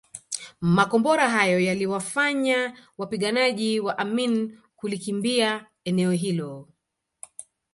Makombora hayo yaliwafanya wapiganaji wa Amin kulikimbia eneo hilo